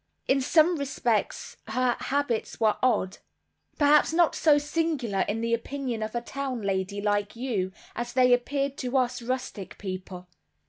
In some respects her habits were odd. Perhaps not so singular in the opinion of a town lady like you, as they appeared to us rustic people.